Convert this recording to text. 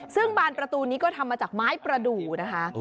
ซึ่งบานประตูนี้ก็ทำมาจากไม้ประดูกนะคะ